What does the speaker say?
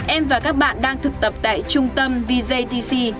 em và các bạn đang thực tập tại trung tâm vjtc